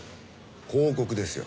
広告ですよ。